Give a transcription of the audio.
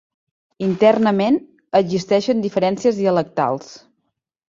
Internament, existeixen diferències dialectals.